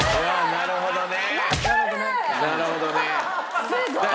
なるほどね。